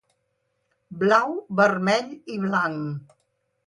Blau, vermell i blanc.